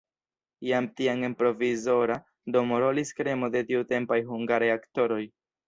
Jam tiam en provizora domo rolis kremo de tiutempaj hungaraj aktoroj.